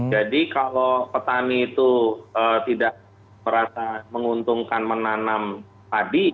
jadi kalau petani itu tidak merasa menguntungkan menanam padi